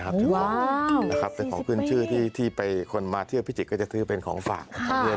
รับจะขอขึ้นชื่อผิดที่คนมาเขี้ยวพิจิตรก็จะซื้อเป็นของฝั่ง